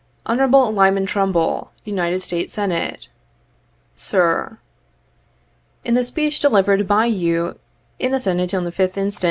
"Hon. LYMAN TRUMBULL, United States Senate, "Sir: "la the speech delivered by you in the Senate on the 5th inst.